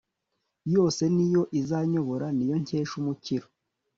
yose, ni yo izanyobora, ni yo nkesha umukiro